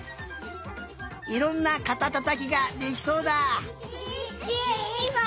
いろんなかたたたきができそうだ。